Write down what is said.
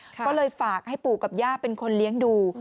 ก็เลยฝากให้ปู่กับย่าเป็นคนเลี้ยงดู